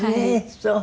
そう。